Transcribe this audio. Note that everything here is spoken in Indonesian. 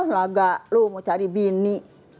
laga loh mau cari bini